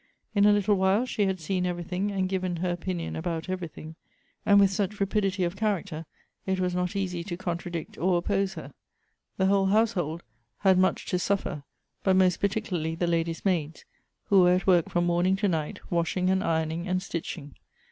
In a little while she had seen every thing, and given her opinion about everything ; and with such rapidity of character it was not easy to contradict or oppose her. The whole household had much to suf 176 Goethe's fer, but most particularly the lady's maids, who were at work from morning to night, washing, and ironing, and stitching.